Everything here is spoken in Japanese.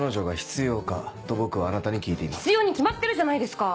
必要に決まってるじゃないですか！